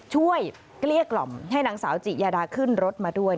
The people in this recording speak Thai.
ช่วยเรียกหล่อมให้หนังสาวจิยาดาขึ้นรถมาด้วย